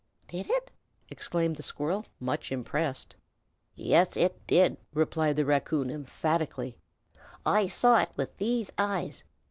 "Did it?" exclaimed the squirrel, much impressed. "Yes, it did!" replied the raccoon, emphatically. "I saw it with these eyes.